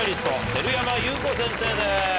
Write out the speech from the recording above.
照山裕子先生です。